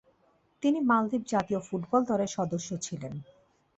তিনি মালদ্বীপ জাতীয় ফুটবল দলের সদস্য ছিলেন।